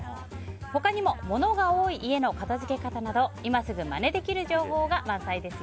他にも、物が多い家の片づけ方など今すぐまねできる情報が満載です。